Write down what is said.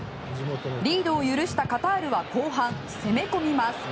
リードを許したカタールは後半、攻め込みます。